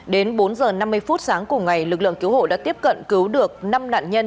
đến bốn h năm mươi phút sáng cùng ngày lực lượng cứu hộ đã tiếp cận cứu được năm nạn nhân